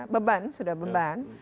beban sudah beban